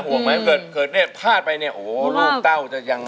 ห่วงไหมเกิดพลาดไปเนี่ยโอ้โหรูปเต้าจะยังไง